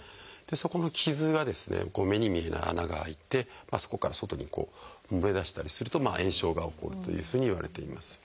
そこの傷が目に見えない穴が開いてそこから外に漏れ出したりすると炎症が起こるというふうにいわれています。